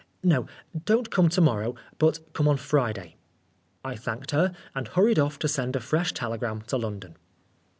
No, don't come to morrow, but come on Friday." I thanked her, and hurried off to send a fresh telegram to London.